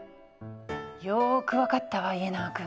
よく分かったわ家長君。